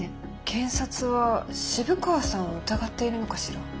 検察は渋川さんを疑っているのかしら。